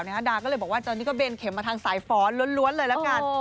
ดาก็เลยบอกว่าตอนนี้ก็เบนเข็มมาทางสายฟ้อนล้วนเลยละกัน